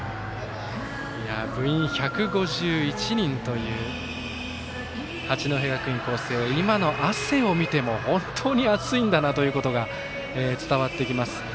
部員１５１人という八戸学院光星、今の汗を見ても本当に暑いんだなということが伝わってきます。